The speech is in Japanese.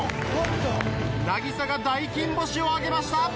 なぎさが大金星を挙げました！